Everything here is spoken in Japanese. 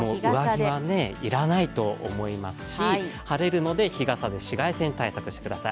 上着はいらないと思いますし晴れるので日傘で紫外線対策をしください。